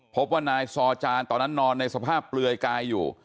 พบว่านายซอจานตอนนั้นนอนในสภาพเปลือยกายอยู่